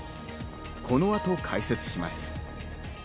この後、解説します。